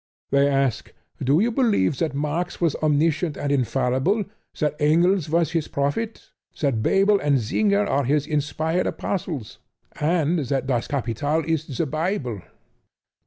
They ask "Do you believe that Marx was omniscient and infallible; that Engels was his prophet; that Bebel and Singer are his inspired apostles; and that Das Kapital is the Bible?"